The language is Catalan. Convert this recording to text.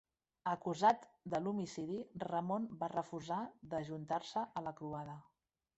Acusat de l'homicidi, Ramon va refusar d'ajuntar-se a la croada.